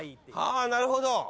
あなるほど。